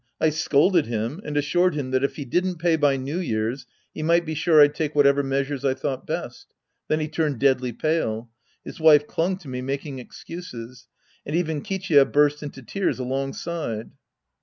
I scolded him and assured him that if he didn't pay by New Year's, he might be sure I'd take whatever measures I thought best. Then he turned deadly pale. His wife clung to me making excuses. And even Kichiya burst into tears algiig side.